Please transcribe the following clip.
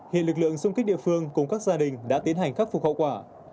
hiện lực lượng xung kích địa phương cùng các gia đình đã tiến hành khắc phục hậu quả